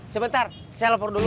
sebentar saya lapor dulu